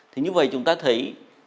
thì như vậy chúng ta thấy